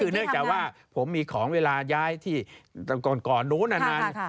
เนื่องจากว่าผมมีของเวลาย้ายที่ก่อนนู้นอันนั้น